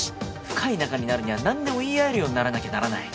深い仲になるにはなんでも言い合えるようにならなきゃならない。